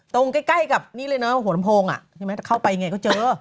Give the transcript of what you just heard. ตรงใกล้กับนี่เลยเนอะหัวลำโพงอะใช่ไหมแต่เข้าไปไงก็เจอ